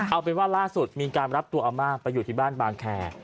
เอาเป็นว่าล่าสุดมีการรับตัวอาม่าไปอยู่ที่บ้านบางแคร์